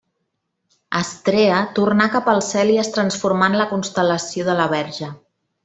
Astrea tornà cap al cel i es transformà en la constel·lació de la Verge.